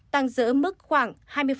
tăng giữ mức khoảng hai mươi